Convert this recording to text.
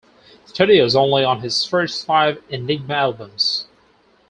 Studios only on his first five Enigma albums.